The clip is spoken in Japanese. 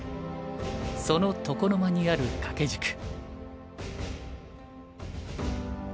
その床の間にある掛け軸。